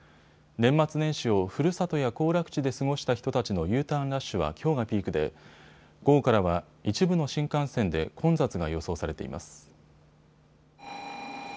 年末年始をふるさとや行楽地で過ごした人たちのＵターンラッシュはきょうがピークで午後からは一部の新幹線で混雑が予想されています。